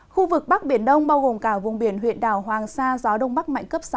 khu vực bắc biển đông bao gồm cả vùng biển huyện đảo hoàng sa gió đông bắc mạnh cấp sáu